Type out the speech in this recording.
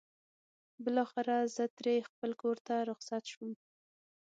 بالاخره زه ترې خپل کور ته رخصت شوم.